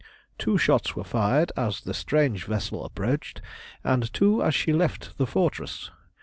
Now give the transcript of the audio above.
Two shots were fired as the strange vessel approached, and two as she left the fortress.